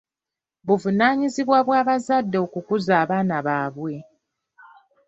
Buvunaanyizibwa bwa bazadde okukuza abaana baabwe.